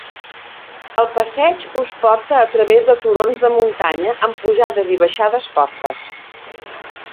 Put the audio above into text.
El passeig us porta a través de turons de muntanya, amb pujades i baixades fortes.